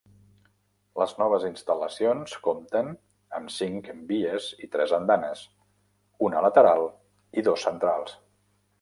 Les noves instal·lacions compten amb cinc vies i tres andanes, una lateral i dos centrals.